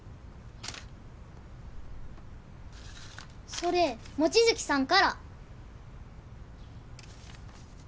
それ、望月さんから。